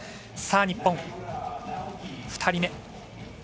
日本、２人目。